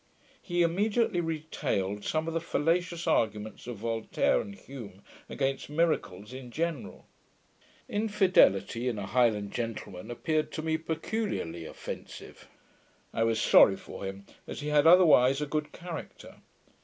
He immediately retailed some of the fallacious arguments of Voltaire and Hume against miracles in general. Infidelity in a Highland gentleman appeared to me peculiarly offensive. I was sorry for him, as he had otherwise a good character.